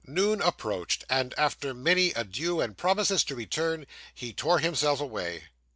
Noon approached, and after many adieux and promises to return, he tore himself away.